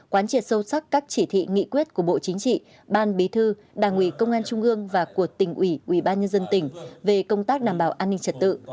quán triệt sâu sắc các chỉ thị nghị quyết của bộ chính trị ban bí thư đảng ủy công an trung ương và của tỉnh ủy ubnd tỉnh về công tác đảm bảo an ninh trật tự